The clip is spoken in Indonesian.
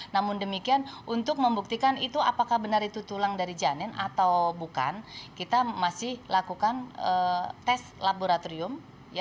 namun demikian untuk membuktikan itu apakah benar itu tulang dari janin atau bukan kita masih lakukan tes laboratorium